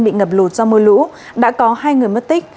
bị ngập lụt do mưa lũ đã có hai người mất tích